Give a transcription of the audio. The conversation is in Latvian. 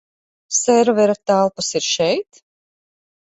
Servera telpas ir šeit?